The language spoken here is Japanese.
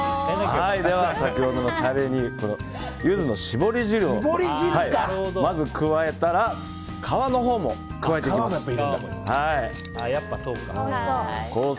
では先ほどのタレにユズの搾り汁をまず加えたら皮のほうも加えていきます。